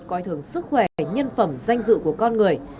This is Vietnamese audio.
coi thường sức khỏe nhân phẩm danh dự của con người